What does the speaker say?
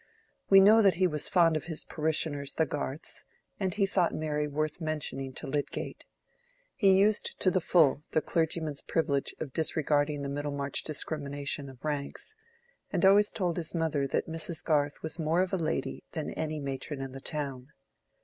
We know that he was fond of his parishioners the Garths, and had thought Mary worth mentioning to Lydgate. He used to the full the clergyman's privilege of disregarding the Middlemarch discrimination of ranks, and always told his mother that Mrs. Garth was more of a lady than any matron in the town.